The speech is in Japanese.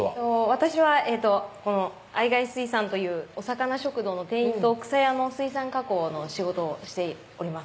私はこの藍ヶ江水産というお魚食堂の店員とくさやの水産加工の仕事をしております